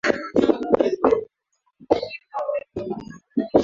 Kwa kumbukumbu zako itakuwa ni vema zaidi ukibeba kamera